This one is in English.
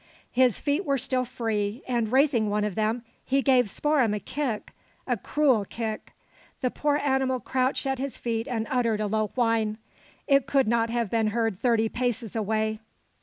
His feet were still free, and, raising one of them, he gave Spoor'em a kick, a cruel kick. The poor animal crouched at his feet and uttered a low whine. It could not have been heard thirty paces away.